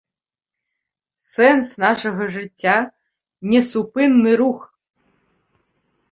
Сэнс нашага жыцця — несупынны рух